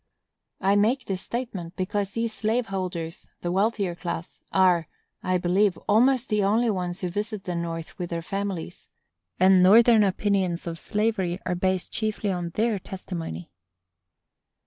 I make this statement, because these slaveholders (the wealthier class) are, I believe, almost the only ones who visit the North with their families; and Northern opinions of slavery are based chiefly on their testimony.